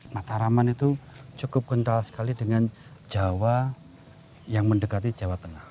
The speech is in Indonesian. mataraman itu cukup kental sekali dengan jawa yang mendekati jawa tengah